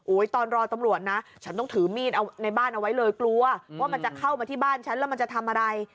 ตอนรอตำรวจนะฉันต้องถือมีดเอาในบ้านเอาไว้เลยกลัวว่ามันจะเข้ามาที่บ้านฉันแล้วมันจะทำอะไร